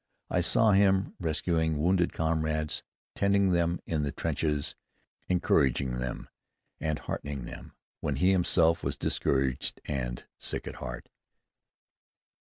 I saw him rescuing wounded comrades, tending them in the trenches, encouraging them and heartening them when he himself was discouraged and sick at heart.